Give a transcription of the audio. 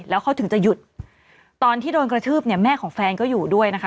แล้วเขาถึงจะหยุดตอนที่โดนกระทืบเนี่ยแม่ของแฟนก็อยู่ด้วยนะคะ